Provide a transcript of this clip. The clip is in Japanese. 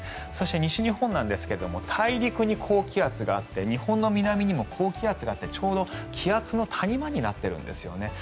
そして、西日本ですが大陸に高気圧があって日本の南にも高気圧があって、ちょうど気圧の谷間になっているんです。